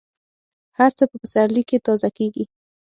هر څه په پسرلي کې تازه کېږي.